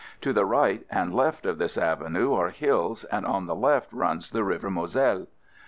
To the right and left of this avenue are hills and on the left runs the River Moselle.